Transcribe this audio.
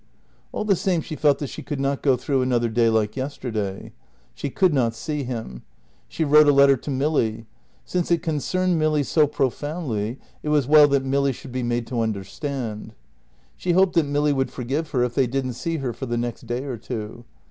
All the same she felt that she could not go through another day like yesterday. She could not see him. She wrote a letter to Milly. Since it concerned Milly so profoundly it was well that Milly should be made to understand. She hoped that Milly would forgive her if they didn't see her for the next day or two.